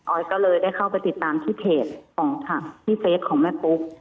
ออยก็เลยได้เข้าไปติดตามที่เฟสของแม่ปุ๊ก